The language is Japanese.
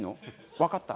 わかった。